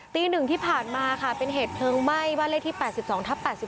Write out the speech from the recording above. ตี๑ที่ผ่านมาค่ะเป็นเหตุเพลิงไหม้บ้านเลขที่๘๒ทับ๘๒